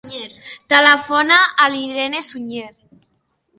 Telefona a l'Irene Suñer.